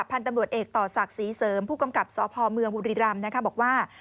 พันธุ์ตำรวจเอกต่อศักดิ์ศรีเสริมผู้กำกับสพเมืองบุรีรำนะคะบอกว่า